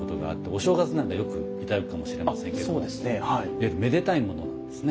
いわゆるめでたいものなんですね。